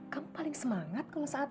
kamu paling semangat kalau saat